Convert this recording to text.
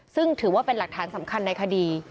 ซึ่งถือว่าเป็นหลักฐานสำคัญในคดี